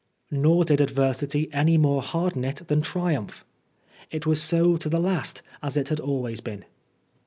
Nor did adversity any more harden it than triumph. 79 Oscar Wilde It was so to the last as it had always been.